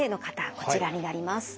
こちらになります。